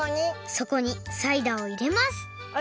そこにサイダーをいれますあっ